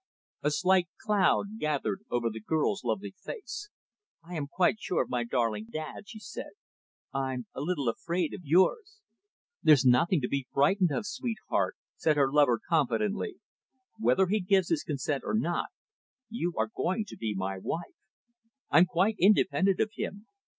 A slight cloud gathered over the girl's lovely face. "I am quite sure of my darling old dad," she said. "I'm a little afraid of yours." "There's nothing to be frightened of, sweetheart," said her lover confidently. "Whether he gives his consent or not, you are going to be my wife. I'm quite independent of him.